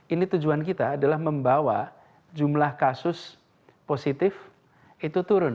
ini tujuan kita adalah membawa jumlah kasus positif itu turun